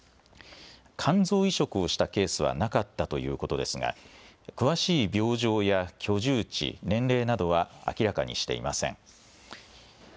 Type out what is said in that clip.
肝臓移植をしたケースはなかったということですが詳しい病状や居住地、年齢などは明らかにしていません。